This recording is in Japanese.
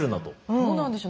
どうなんでしょう